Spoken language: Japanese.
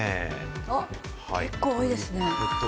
結構多いですね。